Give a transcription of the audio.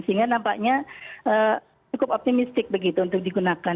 sehingga nampaknya cukup optimistik begitu untuk digunakan